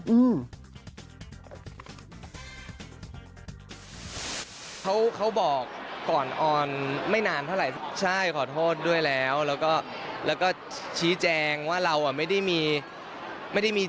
อืมเขาบอกก่อนออนไม่นานเท่าไหร่ใช่ขอโทษด้วยแล้วแล้วก็ชี้แจงว่าเราอ่ะไม่ได้มีไม่ได้มี